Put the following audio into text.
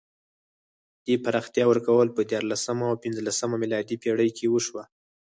دې پراختیا ورکول په دیارلسمه او پنځلسمه میلادي پېړۍ کې وشوه.